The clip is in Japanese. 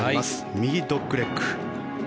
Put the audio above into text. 右ドッグレッグ。